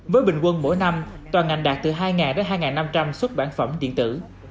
với bình quân mỗi năm toàn ngành đạt từ hai đến hai năm trăm linh xuất bản phẩm điện tử